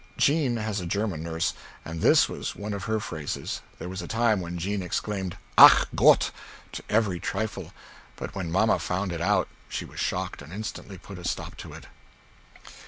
Jean has a German nurse, and this was one of her phrases, there was a time when Jean exclaimed "Ach Gott!" to every trifle, but when mamma found it out she was shocked and instantly put a stop to it.